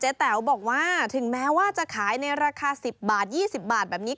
แต๋วบอกว่าถึงแม้ว่าจะขายในราคา๑๐บาท๒๐บาทแบบนี้